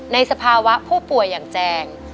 สภาวะผู้ป่วยอย่างแจง